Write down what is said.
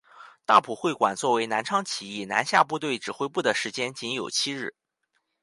大埔会馆作为南昌起义南下部队指挥部的时间仅有七日。